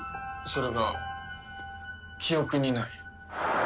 それが記憶にない。